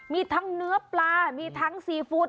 มีทั้งเนื้อปลามีทั้งซีฟู้ด